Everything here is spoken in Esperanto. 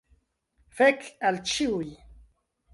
Fek al ĉiuj.